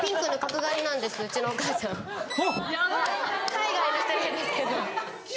海外の人なんですけど。